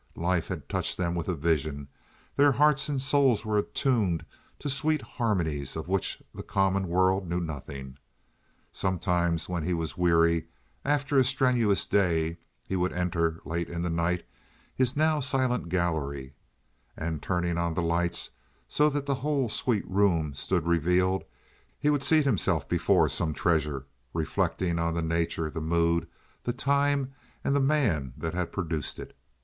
Life had touched them with a vision, their hearts and souls were attuned to sweet harmonies of which the common world knew nothing. Sometimes, when he was weary after a strenuous day, he would enter—late in the night—his now silent gallery, and turning on the lights so that the whole sweet room stood revealed, he would seat himself before some treasure, reflecting on the nature, the mood, the time, and the man that had produced it.